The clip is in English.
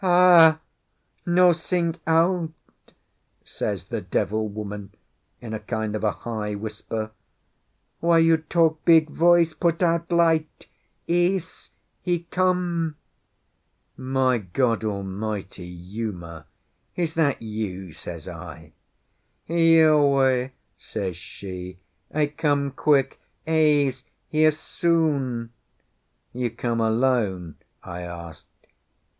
"Ah! No sing out!" says the devil woman, in a kind of a high whisper. "Why you talk big voice? Put out light! Ese he come." "My God Almighty, Uma, is that you?" says I. "Ioe," says she. "I come quick. Ese here soon." "You come alone?" I asked.